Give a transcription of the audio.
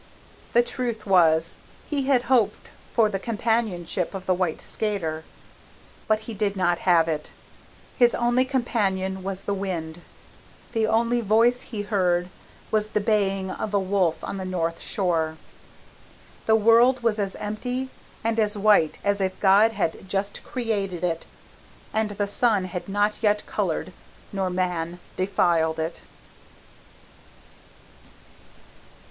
The truth was, he had hoped for the companionship of the white skater. But he did not have it. His only companion was the wind. The only voice he heard was the baying of a wolf on the north shore. The world was as empty and as white as if God had just created it, and the sun had not yet colored nor man defiled it.